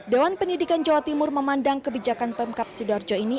dewan pendidikan jawa timur memandang kebijakan pemkap sidoarjo ini